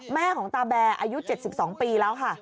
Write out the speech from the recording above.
แม่ของตาแบร์อายุ๗๒ปีแล้วค่ะ